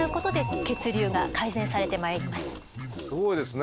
すごいですね。